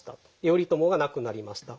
頼朝が亡くなりました。